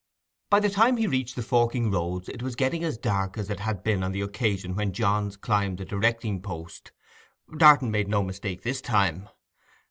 By the time he reached the forking roads it was getting as dark as it had been on the occasion when Johns climbed the directing post. Darton made no mistake this time.